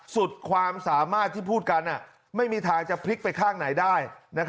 สุดความสามารถที่พูดกันไม่มีทางจะพลิกไปข้างไหนได้